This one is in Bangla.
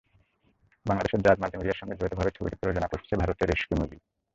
বাংলাদেশের জাজ মাল্টিমিডিয়ার সঙ্গে যৌথভাবে ছবিটি প্রযোজনা করছে ভারতের এসকে মুভিজ।